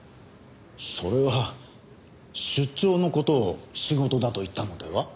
それは出張の事を仕事だと言ったのでは？